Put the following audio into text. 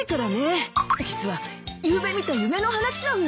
実はゆうべ見た夢の話なんだ。